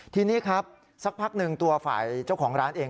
ทีนี้ครับสักพักหนึ่งตัวฝ่ายเจ้าของร้านเอง